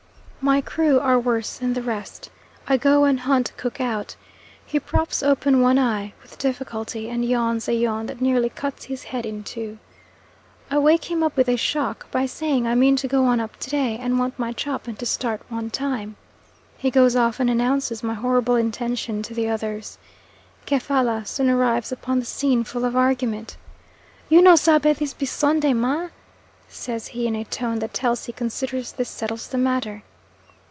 My crew are worse than the rest. I go and hunt cook out. He props open one eye, with difficulty, and yawns a yawn that nearly cuts his head in two. I wake him up with a shock, by saying I mean to go on up to day, and want my chop, and to start one time. He goes off and announces my horrible intention to the others. Kefalla soon arrives upon the scene full of argument, "You no sabe this be Sunday, Ma?" says he in a tone that tells he considers this settles the matter.